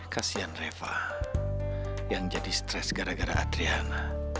kasian reva yang jadi stres gara gara adriana